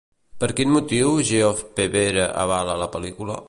Per quin motiu Geoff Pevere alaba la pel·lícula?